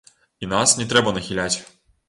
І нас не трэба нахіляць.